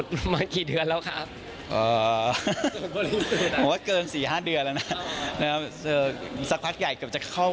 ที่สุดมากี่เดือนแล้วครับ